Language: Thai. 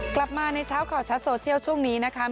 กลับมาในเช้าข่าวชัดโซเชียลช่วงนี้นะคะ